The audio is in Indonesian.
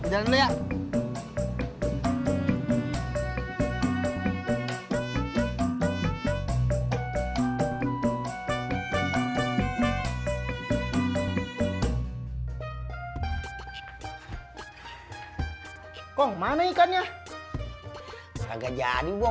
jalan dulu ya